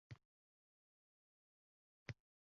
Bugun beshinchi kun.